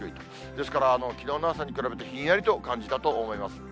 ですから、きのうの朝に比べてひんやりと感じたと思います。